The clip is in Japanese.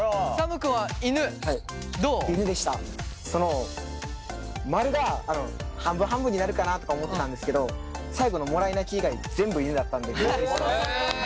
その○が半分半分になるかなとか思ったんですけど最後の「もらい泣き」以外全部犬だったんでびっくりしてます。